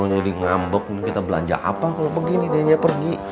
saya mau jadi ngambek minta belanja apa kalau begini dia aja pergi